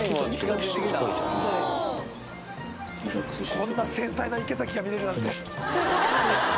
こんな繊細な池崎が見れるなんて。